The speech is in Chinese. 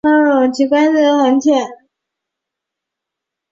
其根系很浅。